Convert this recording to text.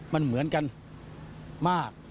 มันเหมือนกันมาก